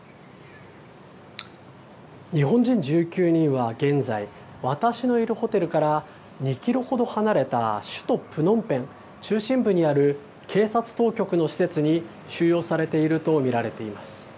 日本人１９人は現在、私のいるホテルから２キロほど離れた首都プノンペン中心部にある、警察当局の施設に収容されていると見られています。